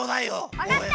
わかった！